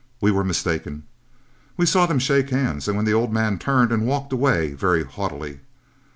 We were mistaken. We saw them shake hands, when the old man turned and walked away very haughtily.